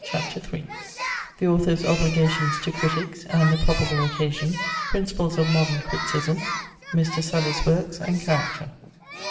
CHAPTER III The Author's obligations to critics, and the probable occasion Principles of modern criticism Mr. Southey's works and character.